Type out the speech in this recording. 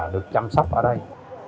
được chăm sóc ở đây